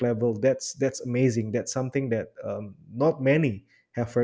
pernah dengar saya tidak pernah dengar ini sampai